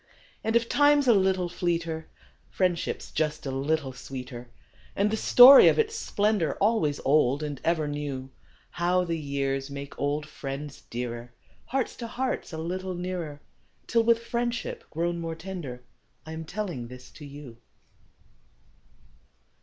y\AJD if time's a little / V fleeter, friendship s just a little sxx>eeter, And the storp o" its splendor AlvOaps old and eVer neu); Hovc> the pears make old friends dearet~, Hearts to hearts a little nearer Till voith friendship pro>xm more tender I am tellina this to ou.